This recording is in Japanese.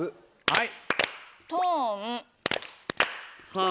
はい。